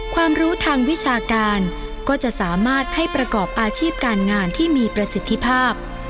ความรู้ทางวิชาการก็จะสามารถให้ประกอบอาชีพการงานที่มีประสิทธิภาพ